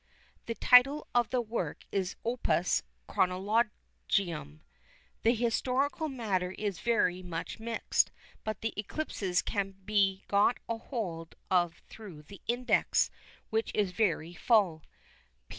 The title of the work is Opus Chronologicum. The historical matter is very much mixed, but the eclipses can be got hold of through the Index, which is very full.